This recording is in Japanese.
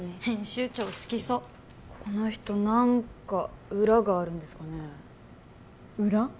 編集長好きそうこの人何か裏があるんですかね裏？